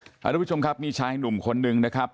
คุณผู้ชมครับมีชายหนุ่มคนนึงนะครับ